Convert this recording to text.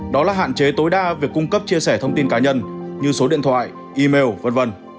đó là hạn chế tối đa việc cung cấp chia sẻ thông tin cá nhân như số điện thoại email v v